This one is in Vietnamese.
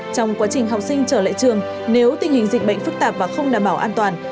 trong quá trình học sinh trở lại trường nếu tình hình dịch bệnh phức tạp và không đảm bảo an toàn